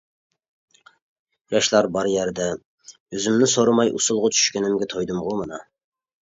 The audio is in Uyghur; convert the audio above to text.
ياشلار بار يەردە ئۆزۈمنى سورىماي ئۇسسۇلغا چۈشكىنىمگە تويدۇمغۇ مانا.